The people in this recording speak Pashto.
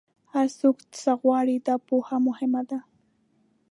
هر څوک څه غواړي، دا پوهه مهمه ده.